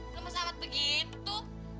lo mau sama begitu